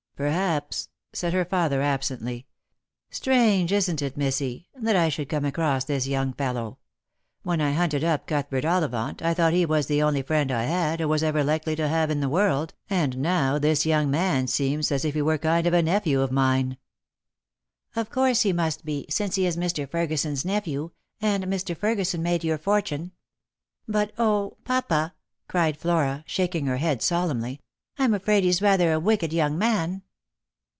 " Perhaps," said her father absently. " Strange, isn't it, missy, that I should come across this young fellow ? When I hunted up Cuthbert Ollivant, I thought he was the only friend I had or was ever likely to have in the world, and now this young man seems as if he were a kind of nephew of mine." "Of course he must be, since he is Mr. Ferguson's nephew, and Mr. Ferguson made your fortune. But, 0, papa," cried Flora, shaking her head solemnly, " I'm afraid he's rather a wicked young man."